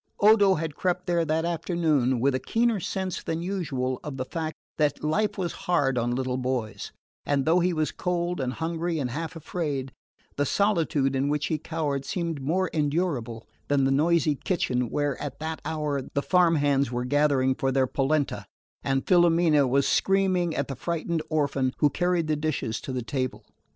Odo had crept there that afternoon with a keener sense than usual of the fact that life was hard on little boys; and though he was cold and hungry and half afraid, the solitude in which he cowered seemed more endurable than the noisy kitchen where, at that hour, the farm hands were gathering for their polenta, and Filomena was screaming at the frightened orphan who carried the dishes to the table.